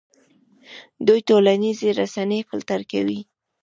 دوی ټولنیزې رسنۍ فلټر کوي.